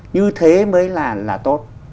như thế mới là tốt